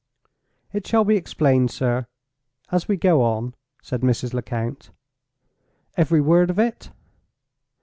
"It shall be explained, sir, as we go on," said Mrs. Lecount. "Every word of it?"